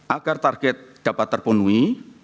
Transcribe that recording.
agar target dapat terpenuhi